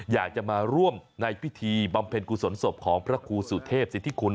อยากจะมาร่วมในพิธีบำเพ็ญกุศลศพของพระครูสุเทพสิทธิคุณ